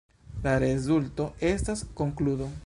La rezulto estas konkludo.